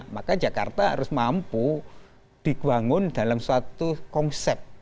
maka jakarta harus mampu dibangun dalam suatu konsep